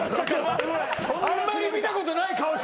あんまり見たことない顔。